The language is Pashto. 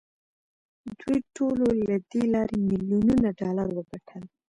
دوی ټولو له دې لارې میلیونونه ډالر وګټل